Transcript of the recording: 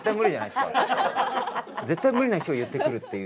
つって絶対無理な日を言ってくるっていう